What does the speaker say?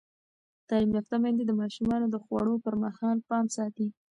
تعلیم یافته میندې د ماشومانو د خوړو پر مهال پام ساتي.